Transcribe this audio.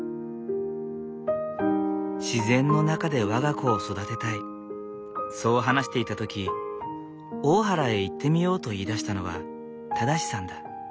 自然の中で我が子を育てたいそう話していた時大原へ行ってみようと言いだしたのは正さんだ。